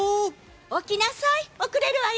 起きなさい、遅れるわよ。